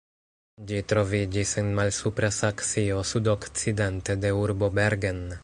Ĝi troviĝis en Malsupra Saksio sudokcidente de urbo Bergen.